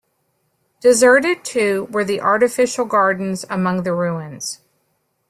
Deserted, too, were the artificial gardens among the ruins.